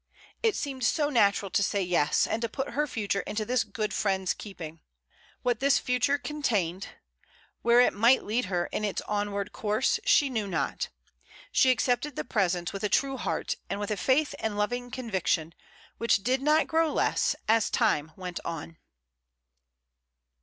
It seemed so natural to say Yes, and to put her future into this good friend's keeping. What this future contained — where it might lead her in its onward course — she knew not. She accepted the present with a true heart, and with a faith and loving conviction, which did not grow less as time went on.